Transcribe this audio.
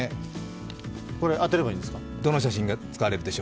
これ、当てればいいんですか？